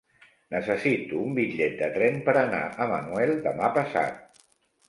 Necessito un bitllet de tren per anar a Manuel demà passat.